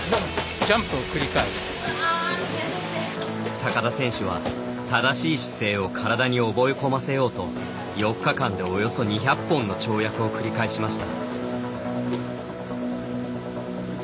高田選手は正しい姿勢を体に覚え込ませようと４日間でおよそ２００本の跳躍を繰り返しました。